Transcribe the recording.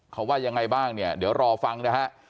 เขาว่ายังไงบ้างเนี่ยเดี๋ยวรอฟังนะฮะ